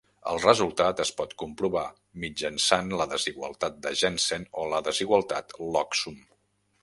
El resultat es pot comprovar mitjançant la desigualtat de Jensen o la desigualtat log sum.